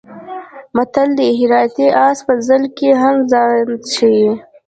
متل دی: هراتی اس په ځل کې هم ځان ښي.